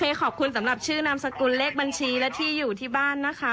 ขอบคุณสำหรับชื่อนามสกุลเลขบัญชีและที่อยู่ที่บ้านนะคะ